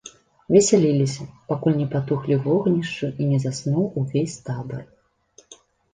Весяліліся, пакуль не патухлі вогнішчы і не заснуў увесь табар.